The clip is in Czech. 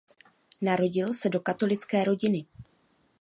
Narodil se do katolické rodiny.